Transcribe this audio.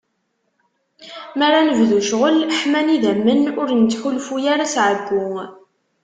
Mi ara nebdu ccɣel, ḥman idammen, ur nettḥulfu ara s ɛeggu.